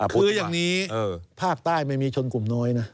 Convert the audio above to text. คืออย่างนี้ภาคใต้ไม่มีชนกลุ่มน้อยนะ